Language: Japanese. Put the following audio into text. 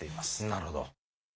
なるほど。